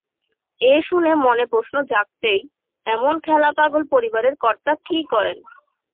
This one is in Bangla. এ শুনে মনে প্রশ্ন জাগতেই এমন খেলাপাগল পরিবারের কর্তা কী করেন?